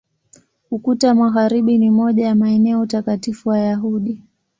Ukuta wa Magharibi ni moja ya maeneo takatifu Wayahudi.